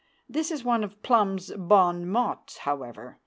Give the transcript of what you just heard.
This is one of Plum's bon mots, however.